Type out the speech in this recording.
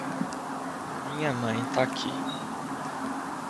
Minha mãe tá aqui